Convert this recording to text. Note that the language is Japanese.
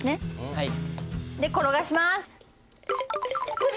はい。